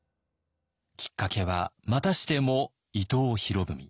きっかけはまたしても伊藤博文。